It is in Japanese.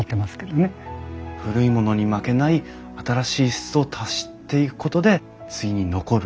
古いものに負けない新しい質を足していくことで次に残る。